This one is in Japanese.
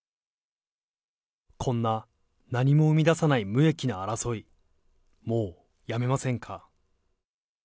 こんな何も生み出さない無益な争い、もうやめませんか。